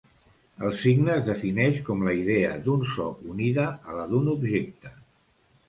El signe es defineix com la idea d’un so unida a la d’un objecte.